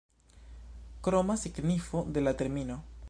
Kroma signifo de la termino.